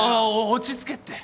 落ち着けって。